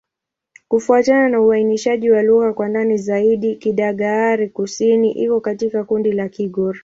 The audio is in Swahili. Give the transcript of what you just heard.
Kufuatana na uainishaji wa lugha kwa ndani zaidi, Kidagaare-Kusini iko katika kundi la Kigur.